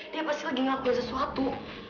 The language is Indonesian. dia pasti lagi ngakul sesuatu